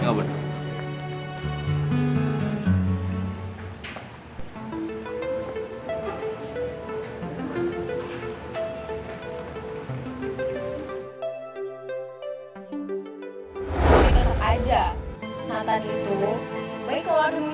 nath itu baik kalau dia ngomongin doang